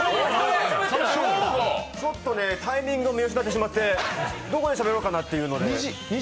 タイミングを見失ってしまってどこでしゃべろうかなっていうので。